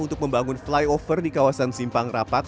untuk membangun flyover di kawasan simpang rapat